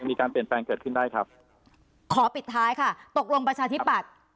มีการเปลี่ยนแปลงเกิดขึ้นได้ครับขอปิดท้ายค่ะตกลงประชาธิปัตย์